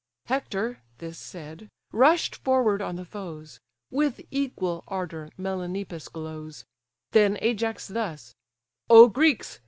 Hector (this said) rush'd forward on the foes: With equal ardour Melanippus glows: Then Ajax thus—"O Greeks!